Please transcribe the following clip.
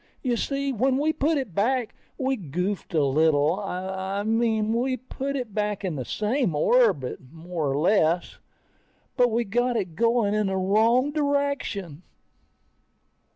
You see, when we put it back, we goofed a little. I mean, we put it back in the same orbit, more or less, but we got it going in the wrong direction.